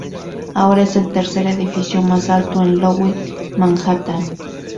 Ahora es el tercer edificio más alto en Lowe Manhattan.